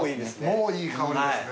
もういいですね。